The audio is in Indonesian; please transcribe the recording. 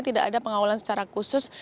tidak ada pengawalan secara khusus